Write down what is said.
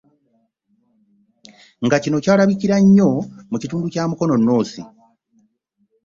Nga kino kyalabikira nnyo mu kitundu kya Mukono North